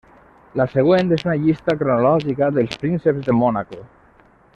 La següent és una llista cronològica dels Prínceps de Mònaco.